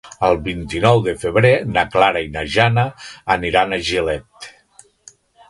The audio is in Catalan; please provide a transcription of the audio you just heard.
El vint-i-nou de febrer na Clara i na Jana aniran a Gilet.